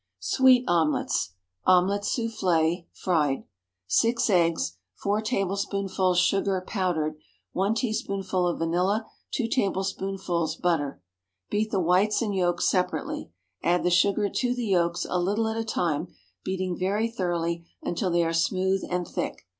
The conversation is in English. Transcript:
SWEET OMELETTES. Omelette Soufflée—(Fried.) 6 eggs. 4 tablespoonfuls sugar (powdered.) 1 teaspoonful of vanilla. 2 tablespoonfuls butter. Beat the whites and yolks separately. Add the sugar to the yolks, a little at a time, beating very thoroughly, until they are smooth and thick.